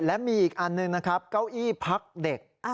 และมีอีกอันหนึ่งนะครับเก้าอี้พักเด็ก